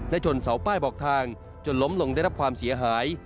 และชนเสาป้ายบอกทางจนล้มลงได้รับความเสียหาย